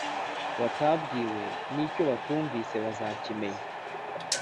batabwiwe n icyo batumvise bazakimenya